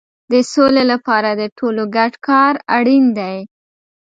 د سولې لپاره د ټولو ګډ کار اړین دی.